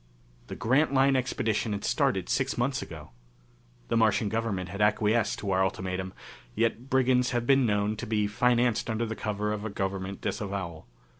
The Grantline Expedition had started six months ago. The Martian government had acquiesced to our ultimatum, yet brigands have been known to be financed under cover of a government disavowal.